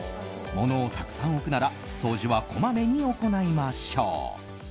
物をたくさん置くなら掃除はこまめに行いましょう。